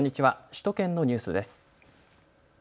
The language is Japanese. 首都圏のニュースです。